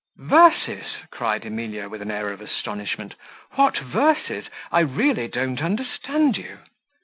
"Verses," cried Emilia with an air of astonishment, "what verses? I really don't understand you."